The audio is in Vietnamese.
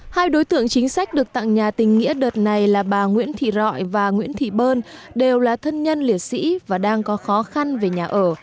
hai đối tượng chính sách được tặng nhà tình nghĩa đợt này là bà nguyễn thị rọi và nguyễn thị bơn đều là thân nhân liệt sĩ và đang có khó khăn về nhà ở